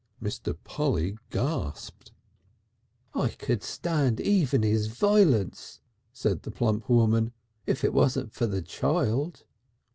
Mr. Polly gasped. "I could stand even his vi'lence," said the plump woman, "if it wasn't for the child."